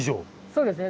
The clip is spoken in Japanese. そうですね。